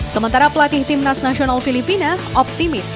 sementara pelatih timnas nasional filipina optimis